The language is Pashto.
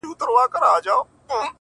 نه په کوډګرو نه په مُلا سي-